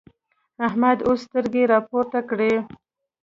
احمد اوس سترګې راپورته کړې.